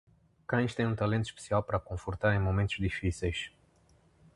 Cães têm um talento especial para confortar em momentos difíceis.